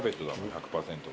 １００％の。